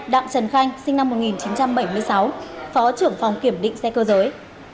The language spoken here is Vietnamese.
hai đặng trần khanh sinh năm một nghìn chín trăm bảy mươi sáu phó trưởng phòng kiểm định xe cơ giới